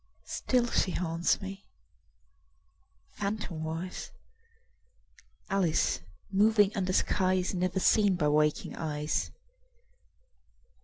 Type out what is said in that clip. Still she haunts me, phantomwise, Alice moving under skies Never seen by waking eyes.